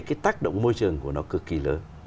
cái tác động môi trường của nó cực kỳ lớn